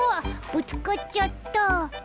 ぶつかっちゃった！